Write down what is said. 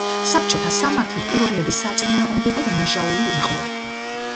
საბჭოთა სამართლით პიროვნების საწინააღმდეგო დანაშაული იყო.